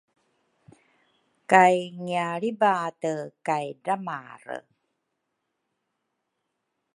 Kay ngialribate kay dramare